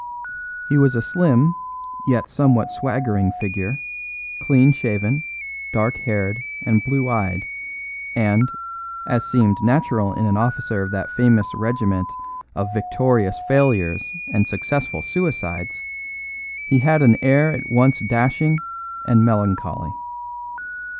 He was a slim yet somewhat swaggering figure, clean shaven, dark haired, and blue eyed, and, as seemed natural in an officer of that famous regiment of victorious failures and successful suicides, he had an air at once dashing and melancholy.